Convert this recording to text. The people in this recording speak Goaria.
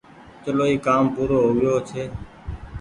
چلو اي ڪآم پورو هو يو ڇي